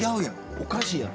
おかしいやん！